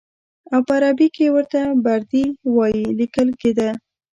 او په عربي کې ورته بردي وایي لیکل کېده.